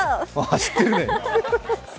知ってるね。